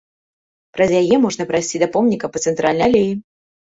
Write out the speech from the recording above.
Праз яе можна прайсці да помніка па цэнтральнай алеі.